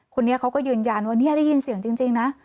คนนี้เขาก็ยืนยันว่าเนี่ยได้ยินเสียงจริงนะ